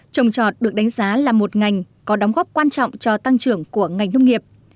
trồng trọt được đánh giá là một ngành có đóng góp quan trọng cho tăng trưởng của ngành nông nghiệp